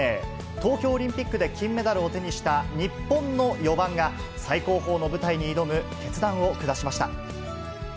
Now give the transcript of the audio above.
東京オリンピックで金メダルを手にした日本の４番が、最高峰の舞台に挑む決断を下しました。